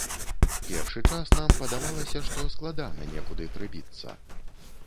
Першы час нам падавалася, што складана некуды прыбіцца.